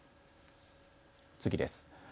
次です。